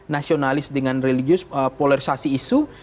nasionalis dengan religius polarisasi isu